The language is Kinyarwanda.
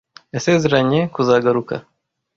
Yasezeranye kuzagaruka.